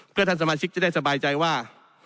เพื่อท่านสมาชิกจะได้สบายใจว่า